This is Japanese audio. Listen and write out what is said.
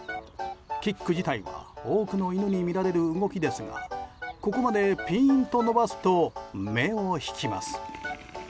キック自体は多くの犬に見られる動きですがここまでピーン！と伸ばすと目を引きます。